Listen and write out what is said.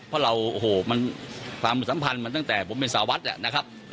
เพราะความสัมพันธ์มันตั้งแต่ผมเป็นสาวัฒน์